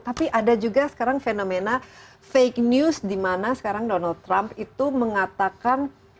tapi ada juga sekarang fenomena fake news di mana sekarang donald trump itu mengatakan media yang tidak setuju dengan dia